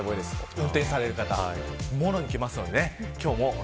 運転されてる方、もろにきます。